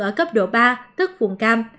ở cấp độ ba tức vùng cam